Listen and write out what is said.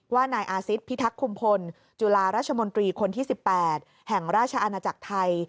ว่านายอาซิตพิทักษ์คุมพลจุฬาราชมนตรีคนที่๑๘แห่งราชอาณาจักรไทย